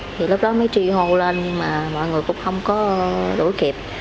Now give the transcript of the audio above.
thì lúc đó mới trì hồ lên mà mọi người cũng không có đổi kịp